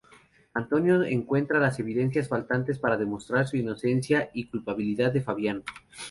Antonio encuentra las evidencias faltantes para demostrar sus inocencia y la culpabilidad de Fabián.